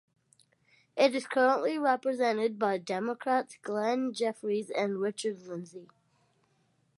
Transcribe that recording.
It is currently represented by Democrats Glenn Jeffries and Richard Lindsay.